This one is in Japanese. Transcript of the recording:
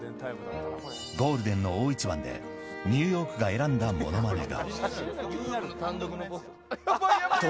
ゴールデンの大一番でニューヨークが選んだものまねが。